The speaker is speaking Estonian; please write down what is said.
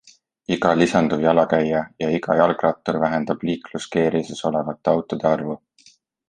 Iga lisanduv jalakäija ja iga jalgrattur vähendab liikluskeerises olevate autode arvu.